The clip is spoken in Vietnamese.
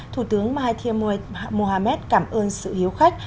thủ tướng mahathir mohamed cảm ơn sự hiếu khách